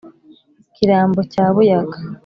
kirambo cya buyaga